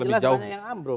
yang jelas banyak yang ambruk